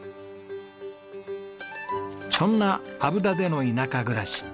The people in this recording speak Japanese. そんな虻田での田舎暮らし。